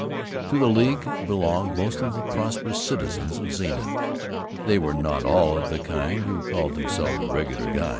To the League belonged most of the prosperous citizens of Zenith. They were not all of the kind who called themselves "Regular Guys."